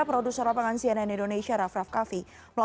karena klub saluran bapak tapitapil only badai chak familia